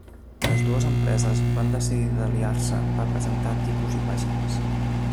Les dues empreses van decidir d'aliar-se per presentar tipus i pàgines.